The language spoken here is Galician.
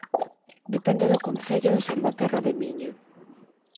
Depende do Concello de Salvaterra de Miño